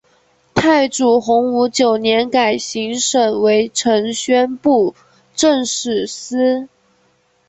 太祖洪武九年改行省为承宣布政使司。